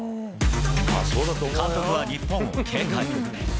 監督は日本を警戒。